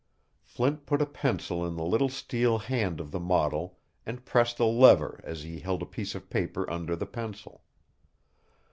Flint put a pencil in the little steel hand of the model and pressed a lever as he held a piece of paper under the pencil.